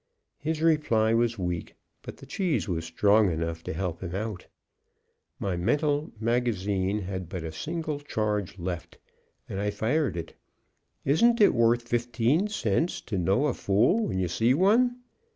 His reply was weak, but the cheese was strong enough to help him out. My mental magazine had but a single charge left, and I fired it. "Isn't it worth fifteen cents to know a fool when you see one?"